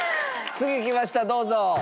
次来ましたどうぞ。